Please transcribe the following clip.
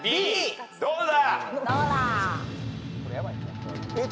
どうだ？